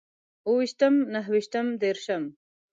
اوويشتم، نهويشتم، ديرشم